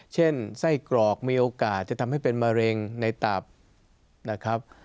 เช่นไส้กรอกมีโอกาสจะทำให้เป็นมะเร็งในตับนะครับ